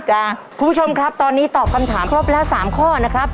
คุณผู้ชมครับตอนนี้ตอบคำถามครบแล้ว๓ข้อนะครับ